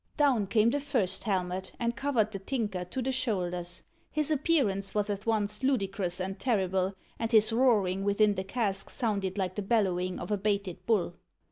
Down came the first helmet, and covered the Tinker to the shoulders. His appearance was at once ludicrous and terrible, and his roaring within the casque sounded like the bellowing of a baited bull.